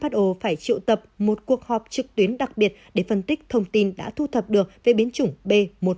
trung tập một cuộc họp trực tuyến đặc biệt để phân tích thông tin đã thu thập được về biến chủng b một một năm trăm hai mươi chín